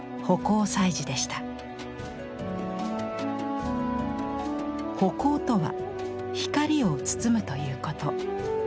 葆光とは光を包むということ。